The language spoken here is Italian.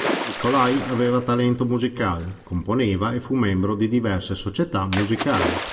Nikolaj aveva talento musicale, componeva e fu membro di diverse società musicali.